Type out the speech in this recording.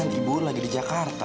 iya iya ibu lagi di jakarta